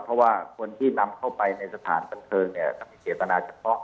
เพราะว่าคนที่นำเข้าไปในสถานบันเทิงเนี่ยก็มีเจตนาเฉพาะ